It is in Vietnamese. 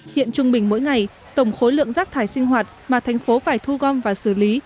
hiện trung bình mỗi ngày tổng khối lượng rác thải sinh hoạt mà thành phố phải thu gom và xử lý